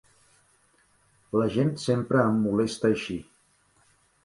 La gent sempre em molesta així.